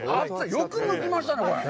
よくむきましたね。